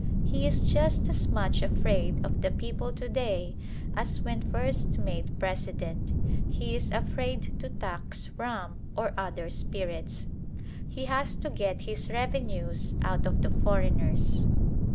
He is just as much afraid of the people to day as when first made President: he is afraid to tax rum or other spirits. He has to get his revenues out of the foreigners.